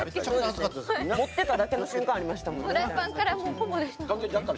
持ってただけの瞬間ありましたよね。